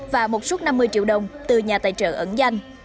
và một suất năm mươi triệu đồng từ nhà tài trợ ẩn danh